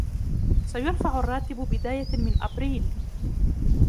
سيُرفع الراتب بداية من أبريل.